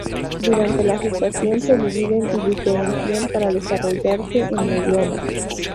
Durante la gestación se dividen y diferencian para desarrollarse en neuronas.